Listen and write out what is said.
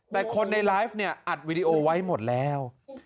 แต่คนในไลฟ์เนี่ยอัดวิดีโอไว้หมดแล้ว